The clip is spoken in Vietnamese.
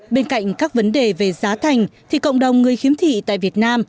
bên cạnh các vấn đề về giá thành thì cộng đồng người khiếm thị tại việt nam